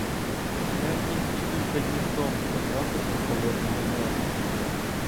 Я тільки кілька днів тому потрапив до Холодного Яру.